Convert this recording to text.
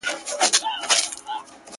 خو کله چې بیا حمزه د تصوف په موډ کې وي